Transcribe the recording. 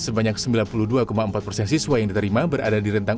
sebanyak sembilan puluh dua empat persen siswa yang diterima berada di rentang